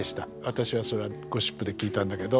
私はそれはゴシップで聞いたんだけど。